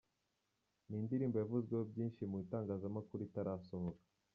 Ni indirimbo yavuzweho byinshi mu itangazamakuru itarasohoka.